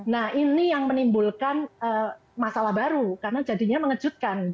nah ini yang menimbulkan masalah baru karena jadinya mengejutkan